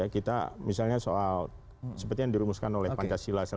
kita misalnya soal seperti yang dirumuskan oleh pancasila